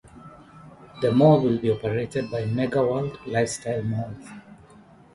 The mall will be operated by Megaworld Lifestyle Malls.